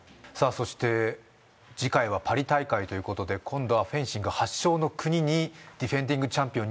そして次回はパリ大会ということで今度はフェンシング発祥の国にディフェンディングチャンピオン